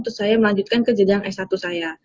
terus saya melanjutkan ke jenjang s satu saya